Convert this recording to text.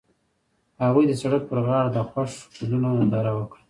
هغوی د سړک پر غاړه د خوښ ګلونه ننداره وکړه.